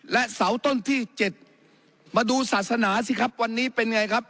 และเสาต้นที่๗มาดูศาสนาสิครับวันนี้เป็นไงครับ